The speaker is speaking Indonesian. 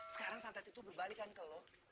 sekarang santet itu berbalikan ke lo